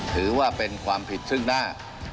ถือว่าเป็นความผิดซึ่งหน้า